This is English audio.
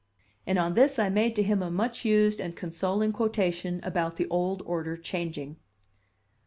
And on this I made to him a much used and consoling quotation about the old order changing.